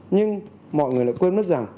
nhưng mọi người lại quên mất rằng